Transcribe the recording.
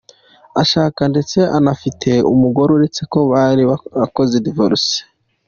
ashaka, ndetse anafite umugore uretse ko bari barakoze divorce.